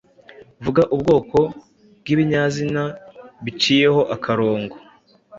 Vuga ubwoko bw’ibinyazina biciyeho akarongo.